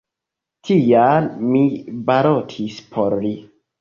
Tial mi balotis por li.